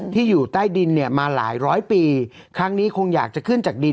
อยู่ใต้ดินเนี่ยมาหลายร้อยปีครั้งนี้คงอยากจะขึ้นจากดิน